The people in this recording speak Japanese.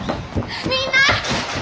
みんな！